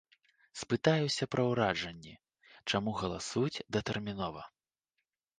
Спытаюся пра ўражанні, чаму галасуюць датэрмінова.